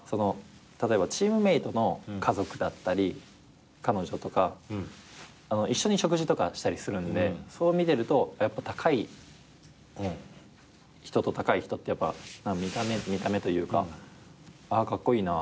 チームメートの家族だったり彼女とか一緒に食事とかしたりするんでそう見てるとやっぱ高い人と高い人って見た目見た目というかカッコイイなと思ったりするので。